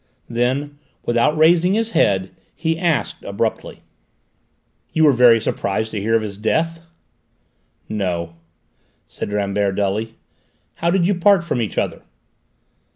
Then, without raising his head, he asked abruptly: "You were very surprised to hear of his death?" "No," said Rambert dully. "How did you part from each other?"